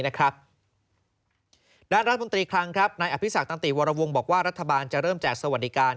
ด้านรัฐมนตรีคลังครับนายอภิษักตันติวรวงบอกว่ารัฐบาลจะเริ่มแจกสวัสดิการ